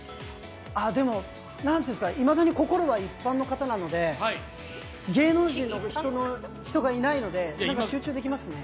でもいまだに心が一般の方なので、芸能人の人がいないのでなんか集中できますね。